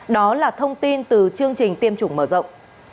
đó là thông tin từ chương trình tiêm chủng mở rộng